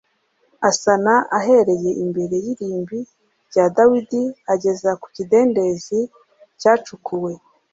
asana ahereye imbere y irimbi rya dawidi ageza ku kidendezi g cyacukuwe